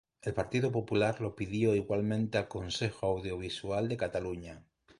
El Partido Popular lo pidió igualmente al Consejo Audiovisual de Cataluña.